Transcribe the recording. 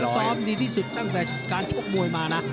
ซ้อมดีที่สุดตั้งแต่การชกมวยมานะ